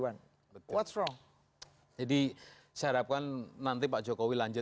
apa yang batteries itu dan juga process sedang klya ada di sini